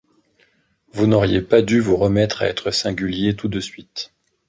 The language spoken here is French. Vous n’auriez pas dû vous remettre à être singulier tout de suite.